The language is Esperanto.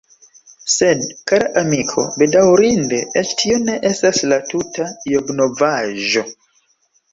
Sed, kara amiko, bedaŭrinde eĉ tio ne estas la tuta Ijobnovaĵo.